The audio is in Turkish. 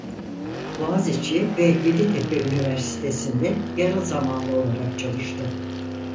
Boğaziçi ve Yeditepe Üniversitesi'nde yarı zamanlı olarak çalıştı.